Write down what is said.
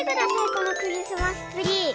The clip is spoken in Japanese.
このクリスマスツリー。